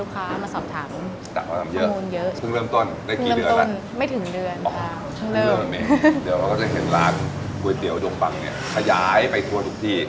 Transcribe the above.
ก๋วยเตี๋ยวดวงปังเนี่ยขยายไปทัวร์ทุกที่